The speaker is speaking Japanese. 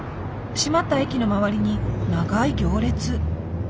閉まった駅の周りに長い行列。